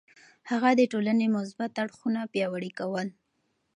هغه د ټولنې مثبت اړخونه پياوړي کول.